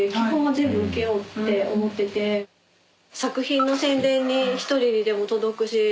作品の宣伝に１人にでも届くし。